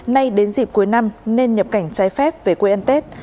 nay đến dịp cuối năm nên nhập cảnh trái phép về quê ăn tết